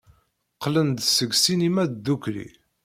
Qqlen-d seg ssinima ddukkli.